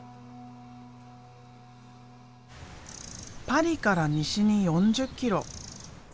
パリから西に４０キロ。